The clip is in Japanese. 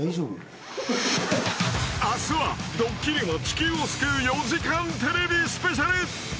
明日は「ドッキリも地球を救う４時間テレビＳＰ」！